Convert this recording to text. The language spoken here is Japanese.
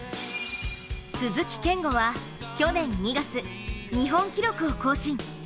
鈴木健吾は、去年２月、日本記録を更新。